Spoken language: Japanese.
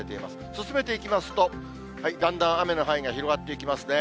進めていきますと、だんだん雨の範囲が広がっていきますね。